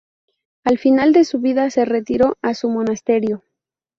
Al final de su vida, se retiró a su monasterio.